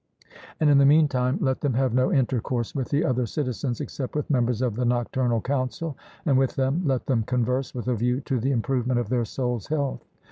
And in the meantime let them have no intercourse with the other citizens, except with members of the nocturnal council, and with them let them converse with a view to the improvement of their soul's health.